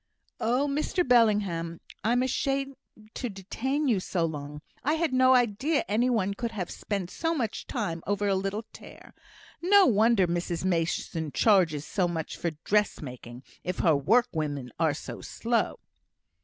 "Oh, Mr Bellingham! I'm ashamed to detain you so long. I had no idea any one could have spent so much time over a little tear. No wonder Mrs Mason charges so much for dress making, if her work women are so slow."